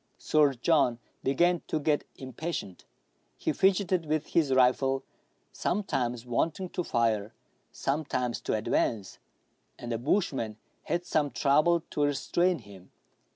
Sir John began to get impatient. He fidgeted with his rifle, sometimes wanting to fire, sometimes to advance ; and the bushman had some trouble to restrain him.